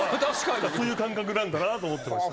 そういう感覚なんだなと思ってました。